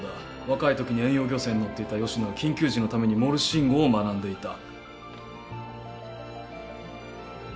若いときに遠洋漁船に乗っていた吉野は緊急時のためにモールス信号を学んでいた。